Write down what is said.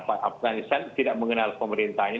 pak afganistan tidak mengenal pemerintahnya